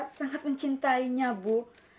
karena saya sangat mencintainya bu